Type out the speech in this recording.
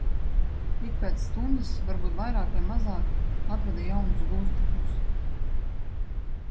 Ik pēc stundas, varbūt vairāk vai mazāk, atveda jaunus gūstekņus.